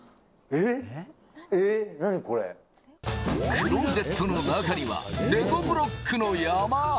クロゼットの中にはレゴブロックの山。